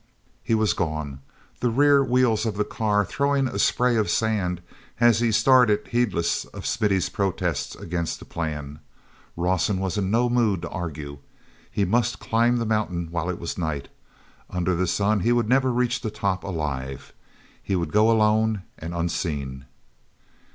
He was gone, the rear wheels of the car throwing a spray of sand as he started heedless of Smithy's protests against the plan. Rawson was in no mood to argue. He must climb the mountain while it was night; under the sun he would never reach the top alive. He would go alone and unseen.